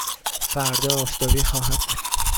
فردا آفتابی خواهد بود.